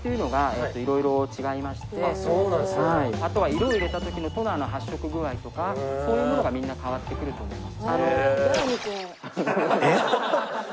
あとは色を入れた時のトナーの発色具合とかそういうものがみんな変わってくると思います。